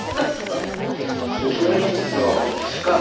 職員室はこっちかな？